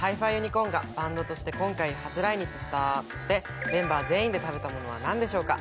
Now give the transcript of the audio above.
ｃｏｒｎがバンドとして今回初来日してメンバー全員で食べたものは何でしょうか？